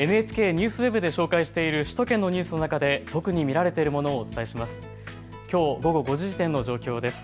ＮＨＫＮＥＷＳＷＥＢで紹介している首都圏のニュースの中で特に見られているものをお伝えします。